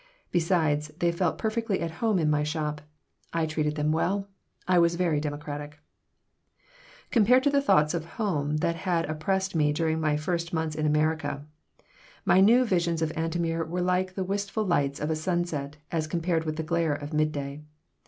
Besides, they felt perfectly at home in my shop. I treated them well. I was very democratic Compared to the thoughts of home that had oppressed me during my first months in America, my new visions of Antomir were like the wistful lights of a sunset as compared with the glare of midday.